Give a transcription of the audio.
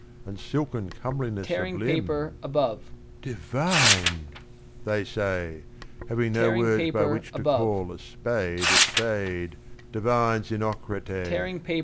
And silken comeliness of limb !" Divine !" they say, having no words by which To call a spade a spade. Divine Xenocrate